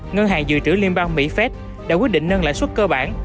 ngân hàng dự trữ liên bang mỹ phép đã quyết định nâng lãi suất cơ bản